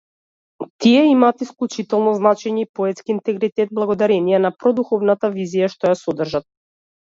Тие имаат исклучително значење и поетски интегритет благодарение на продуховената визија што ја содржат.